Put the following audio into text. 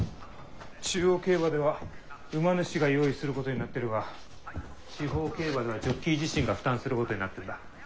中央競馬では馬主が用意することになっているが地方競馬ではジョッキー自身が負担することになってんだ。